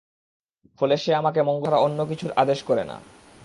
ফলে সে আমাকে মঙ্গল ছাড়া অন্য কিছুর আদেশ করে না।